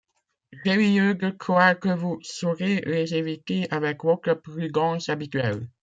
J’ai lieu de croire que vous saurez les éviter avec votre prudence habituelle...